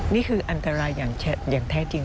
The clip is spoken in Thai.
นี่คืออันตรายอย่างแท้จริง